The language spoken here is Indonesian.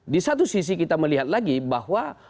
di satu sisi kita melihat lagi bahwa